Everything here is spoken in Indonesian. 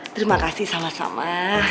terima kasih sama sama